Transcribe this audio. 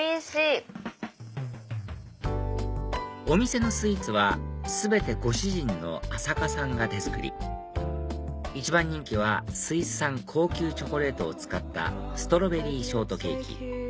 お店のスイーツは全てご主人の浅賀さんが手作り一番人気はスイス産高級チョコレートを使ったストロベリーショートケーキ